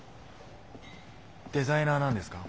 デザイナーなんですか？